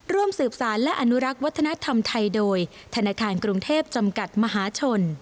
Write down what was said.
ร่วมสืบสารและอนุรักษ์วัฒนธรรมไทยโดยธนาคารกรุงเทพจำกัดมหาชน